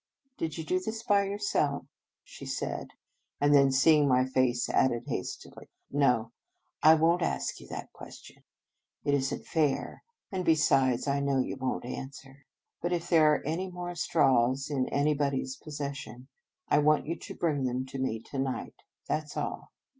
" Did you do this by yourself ?" she said; and then, see ing my face, added hastily: "No, I won t ask you that question. It is n t fair, and besides, I know you won t answer. But if there are any more straws in anybody s possession, I want you to bring them to me to night. That s all.